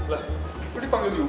lah kok dipanggil juga